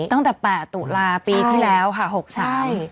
ตั้งแต่แปดตุลาปีที่แล้วค่ะหกสาม